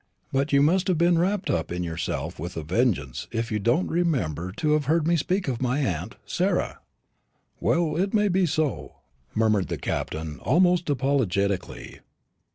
But you must have been wrapped up in yourself with a vengeance if you don't remember to have heard me speak of my aunt Sarah." "Well, well, it may be so," murmured the Captain, almost apologetically.